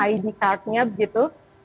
id cardnya begitu